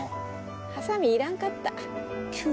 ハサミいらんかった。